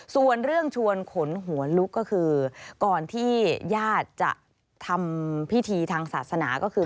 ส่วนเรื่องชวนขนหัวลุกก็คือก่อนที่ญาติจะทำพิธีทางศาสนาก็คือ